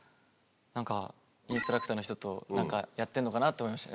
何かインストラクターの人とやってんのかなと思いましたね。